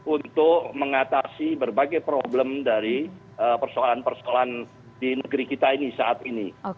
untuk mengatasi berbagai problem dari persoalan persoalan di negeri kita ini saat ini